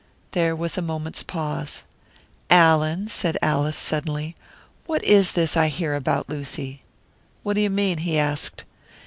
There was a moment's pause. "Allan," said Alice, suddenly, "what is this I hear about Lucy?" "What do you mean?" he asked.